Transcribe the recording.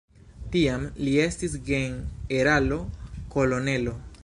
Tiam li estis generalo-kolonelo.